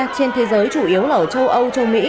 trên thế giới chủ yếu là ở châu âu châu mỹ